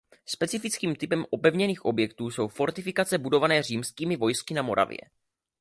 Specifickým typem opevněných objektů jsou fortifikace budované římskými vojsky na Moravě.